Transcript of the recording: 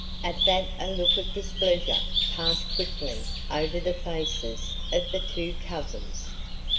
At that a look of displeasure passed quickly over the faces of the two cousins.